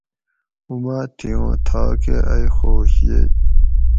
اُماد تھی اُوں تھاکہ ائی خوش یئی